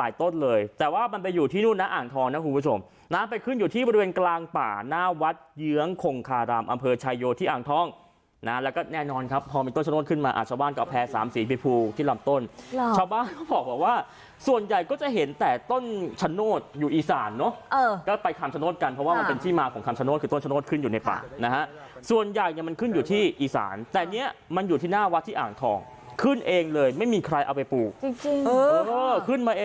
อ่าชาวบ้านก็เอาแพ้สามสีพิภูที่ลำต้นชาวบ้านก็บอกว่าว่าส่วนใหญ่ก็จะเห็นแต่ต้นชะโน้ดอยู่อีสานเนอะเออก็ไปคำชะโน้ดกันเพราะว่ามันเป็นที่มาของคำชะโน้ดคือต้นชะโน้ดขึ้นอยู่ในป่านะฮะส่วนใหญ่เนี่ยมันขึ้นอยู่ที่อีสานแต่เนี้ยมันอยู่ที่หน้าวัดที่อ่างทองขึ้นเองเลยไม่มีใครเอ